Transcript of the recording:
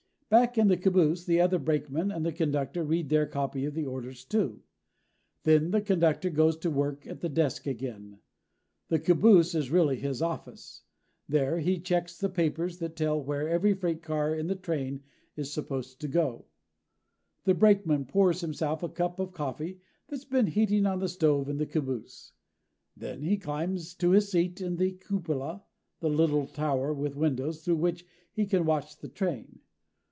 Back in the caboose the other brakeman and the conductor read their copy of the orders, too. Then the conductor goes to work at his desk again. The caboose is really his office. There he checks the papers that tell where every freight car in the train is supposed to go. The brakeman pours himself a cup of coffee that's been heating on the stove in the caboose. Then he climbs to his seat in the cupola the little tower with windows through which he can watch the train.